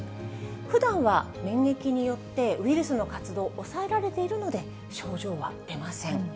ふだんは免疫によってウイルスの活動、抑えられているので、症状は出ません。